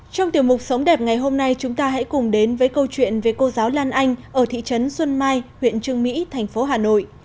trong tiểu mục sống đẹp ngày hôm nay chúng ta hãy cùng đến với câu chuyện về cô giáo lan anh ở thị trấn xuân mai huyện trương mỹ thành phố hà nội